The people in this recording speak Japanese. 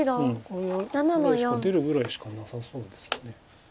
こうやるぐらいしか出るぐらいしかなさそうですよね。